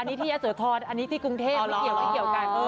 อันนี้ที่เยษฐธรรมอันนี้ที่กรุงเทพฯไม่เกี่ยวกัน